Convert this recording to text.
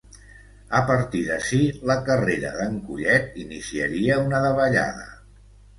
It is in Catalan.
A partir d'ací, la carrera d'en Collet iniciaria una davallada.